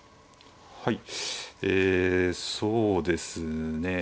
はいえそうですね